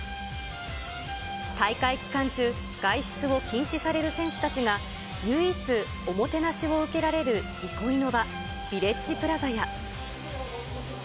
大会期間中、外出を禁止される選手たちが唯一おもてなしを受けられる憩いの場、ヴィレッジプラザや。